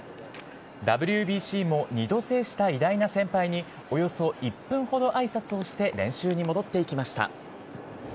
ＷＢＣも２度制した偉大な先輩におよそ１分ほどあいさつをして、練習に戻っていきました。